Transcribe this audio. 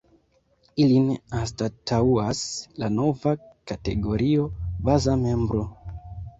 Ilin anstataŭas la nova kategorio ”baza membro”.